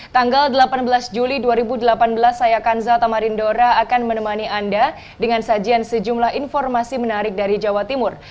tanggal delapan belas juli dua ribu delapan belas saya kanza tamarindora akan menemani anda dengan sajian sejumlah informasi menarik dari jawa timur